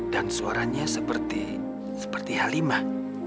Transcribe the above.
dan suaranya seperti seperti halimah